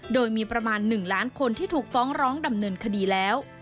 โดยมีประมาณ๑ล้านคนที่ถูกฟ้องร้องดำเนินคดีแล้ว